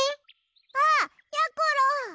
あっやころ！